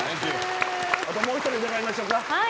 あともう１人、伺いましょうか。